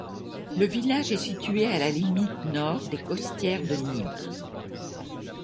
Le village est situé à la limite nord des Costières de Nîmes.